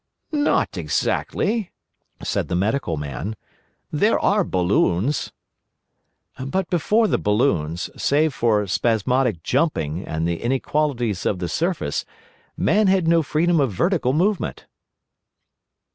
"Not exactly," said the Medical Man. "There are balloons." "But before the balloons, save for spasmodic jumping and the inequalities of the surface, man had no freedom of vertical movement."